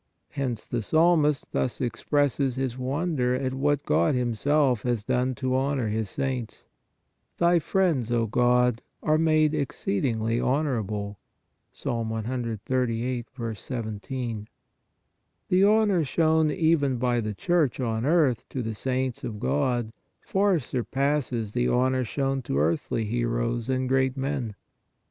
Hence the Psalmist thus 60 PRAYER expresses his wonder at what God Himself has done to honor His saints :" Thy friends, O God, are made exceedingly honorable " (Ps. 138. 17). The honor shown even by the Church on earth to the saints of God far surpasses the honor shown to earthly heroes and great men.